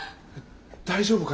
大丈夫か？